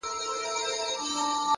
حکمت د تجربې مېوه ده!.